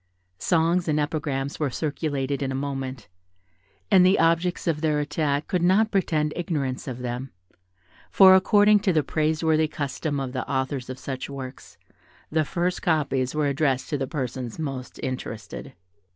Songs and epigrams were circulated in a moment; and the objects of their attack could not pretend ignorance of them, for, according to the praiseworthy custom of the authors of such works, the first copies were addressed to the persons most interested.